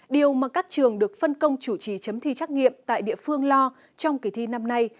điều mà các trường được phân công chủ trì chấm thi trắc nghiệm tại địa phương lo trong kỳ thi năm nay